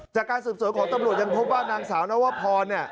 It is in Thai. จากการสืบสวนของตำรวจยังพบว่านางสาวนวพรเนี่ย